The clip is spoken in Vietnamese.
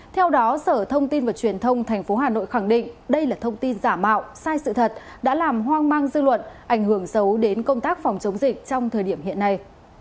theo đó sở thông tin và truyền thông tp hà nội khẳng định đây là thông tin giả mạo sai sự thật đã làm hoang mang dư luận ảnh hưởng xấu đến công tác phòng chống dịch trong thời điểm hiện nay